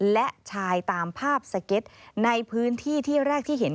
และชายตามภาพสเก็ตในพื้นที่ที่แรกที่เห็น